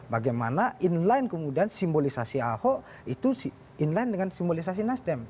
bagaimana inline kemudian simbolisasi ahok itu inline dengan simbolisasi nasdem